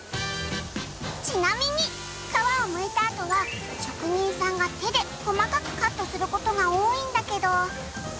ちなみに皮をむいたあとは職人さんが手で細かくカットする事が多いんだけど。